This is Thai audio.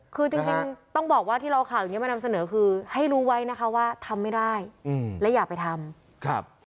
คือจริงต้องบอกว่าที่เราเอาข่าวอย่างนี้มานำเสนอคือให้รู้ไว้นะคะว่าทำไม่ได้และอย่าไปทำครับ